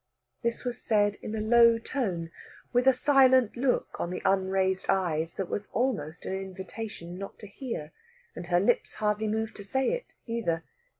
This was said in a low tone, with a silent look on the unraised eyes that was almost an invitation not to hear, and her lips hardly moved to say it, either.